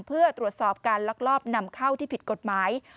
เพื่อตรวจสอบการลักลอบนำเข้าที่ผิดกฎหมาย